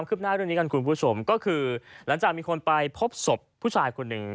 ก็คือหลังจากมีคนไปพบสบผู้ชายคุณหนึ่ง